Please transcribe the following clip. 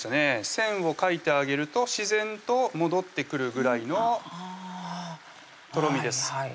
線を書いてあげると自然と戻ってくるぐらいのとろみです